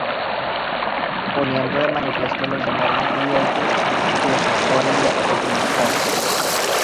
poniendo de manifiesto los enormes riesgos que supone la situación actual